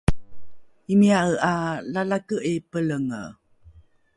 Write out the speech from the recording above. Imiya'e 'a Lalake 'i Pelenge!